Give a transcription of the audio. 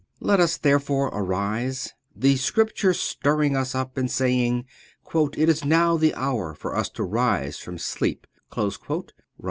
Let us therefore arise, the Scripture stirring us up and saying, "It is now the hour for us to rise from sleep",11Rom.